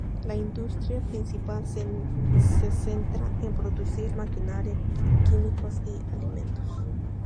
La industria principal se centra en producir maquinaria, químicos y alimentos.